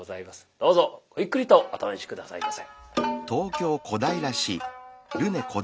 どうぞごゆっくりとお楽しみ下さいませ。